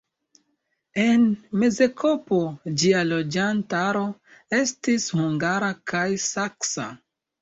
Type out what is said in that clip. En mezepoko ĝia loĝantaro estis hungara kaj saksa.